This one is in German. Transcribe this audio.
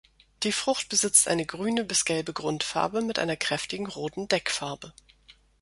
Die Frucht besitzt eine grüne bis gelbe Grundfarbe mit einer kräftigen roten Deckfarbe.